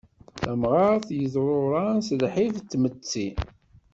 Tamɣart yeḍruran si lḥif n tmetti.